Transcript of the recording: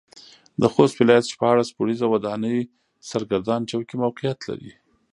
د خوست ولايت شپاړس پوړيزه وداني سرګردان چوک کې موقعيت لري.